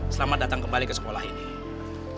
selamat datang kembali ke sekolah ini